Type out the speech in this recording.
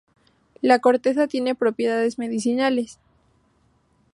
La corteza tiene propiedades medicinales.